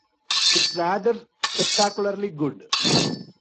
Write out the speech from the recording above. It's rather spectacularly good.